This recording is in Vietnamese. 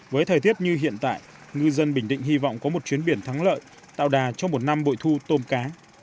với thời tiết như hiện tại ngư dân bình định hy vọng có một chuyến biển thắng lợi tạo đà cho một năm bội thu tôm cá